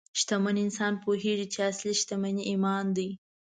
شتمن انسان پوهېږي چې اصلي شتمني ایمان دی.